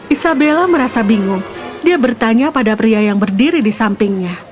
isabella merasa bingung dia bertanya pada pria yang berdiri di sampingnya